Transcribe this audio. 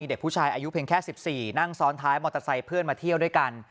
เด็กผู้ชายอายุเพียงแค่๑๔นั่งซ้อนท้ายมอเตอร์ไซค์เพื่อนมาเที่ยวด้วยกัน